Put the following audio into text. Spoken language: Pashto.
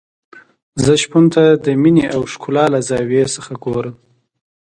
زه شپون ته د مينې او ښکلا له زاویې څخه ګورم.